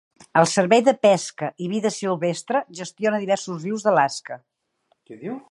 El Servei de pesca i vida silvestre gestiona diversos rius d'Alaska.